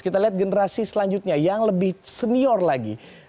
kita lihat generasi selanjutnya yang lebih senior lagi